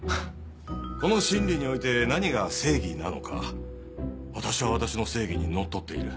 この審理において何が正義なのか私は私の正義にのっとっている。